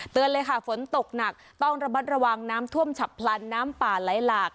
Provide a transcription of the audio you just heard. เลยค่ะฝนตกหนักต้องระมัดระวังน้ำท่วมฉับพลันน้ำป่าไหลหลาก